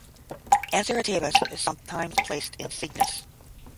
"Anser atavus" is sometimes placed in "Cygnus".